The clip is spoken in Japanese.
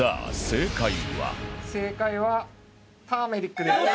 正解はターメリックです。